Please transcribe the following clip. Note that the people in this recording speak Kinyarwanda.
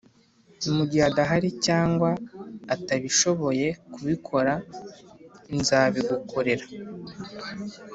Mugihe adahari cyangwa atabishoboye kubikora nza bigukorera